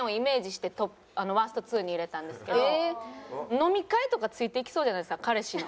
飲み会とかついていきそうじゃないですか彼氏の。